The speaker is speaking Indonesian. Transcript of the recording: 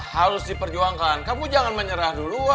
harus diperjuangkan kamu jangan menyerah dulu